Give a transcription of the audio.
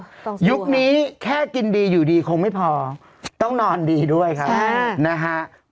ต้องสู้ค่ะยุคนี้แค่กินดีอยู่ดีคงไม่พอต้องนอนดีด้วยค่ะนะฮะต้องสู้ค่ะ